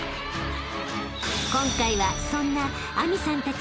［今回はそんな明未さんたち